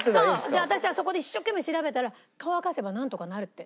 で私はそこで一生懸命調べたら乾かせばなんとかなるって。